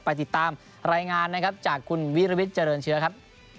ไปติดตามรายงานนะครับจากคุณวิรวิทย์เจริญเชื้อครับ